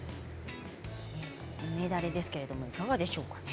梅だれですけどいかがでしょうか？